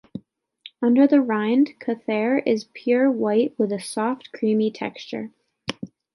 Under the rind, Cathare is pure white with a soft, creamy texture.